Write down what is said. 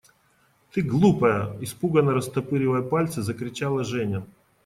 – Ты, глупая! – испуганно растопыривая пальцы, закричала Женя.